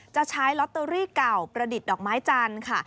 จะใช้ลอตเตอรี่เก่าประดิษฐ์ดอกไม้จันทร์ค่ะ